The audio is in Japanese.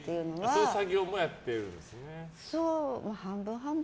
そういう作業もやってるんですね。